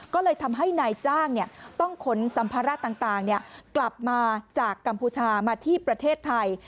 ก็เลยทำให้นายจ้างต้องขนสัมภาระต่างกลับมาจากกัมพูชามาที่ประเทศไทย